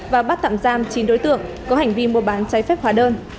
và bắt tạm giam chín đối tượng có hành vi mua bán trái phép hóa đơn